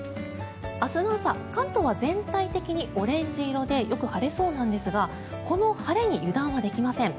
明日の朝関東は全体的にオレンジ色でよく晴れそうなんですがこの晴れに油断はできません。